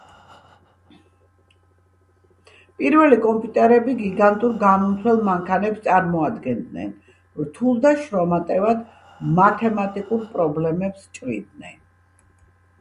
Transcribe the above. პირველი კომპიუტერები გიგანტურ გამომთვლელ მანქანებს წარმოადგენდნენ, რთულ და შრომატევად მათემატიკურ პრობლემებს ჭრიდნენ